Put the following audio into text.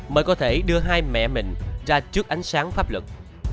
mới có thể đưa hai mẹ mình ra trước ánh sáng pháp luật